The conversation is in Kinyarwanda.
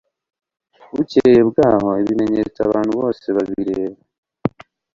bukeye bwaho ibimenyetso abantu bose babireba